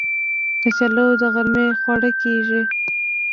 کچالو د غرمې خواړه کېږي